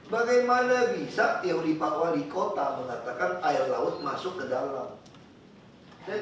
bagaimana bisa teori pak wali kota mengatakan air laut masuk ke dalam